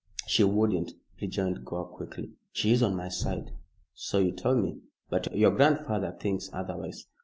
"She wouldn't," rejoined Gore, quickly. "She is on my side." "So you told me. But your grandfather thinks otherwise.